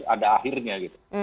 ada akhirnya gitu